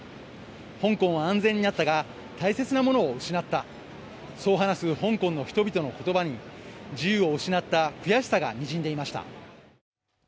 香港は安全になったが大切なものを失った、そう話す香港の人々の言葉に自由を失った悔しさがにじんでいました。